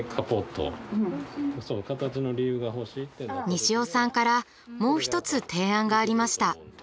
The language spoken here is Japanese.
西尾さんからもう一つ提案がありました。